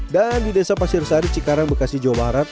dan di desa pasir sari cikarang bekasi jawa barat